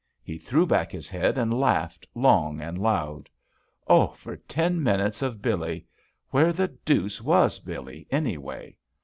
He threw back his head and laughed long and loud. Oh, for ten minutes of Billee ! Where the deuce was Billee, anyway?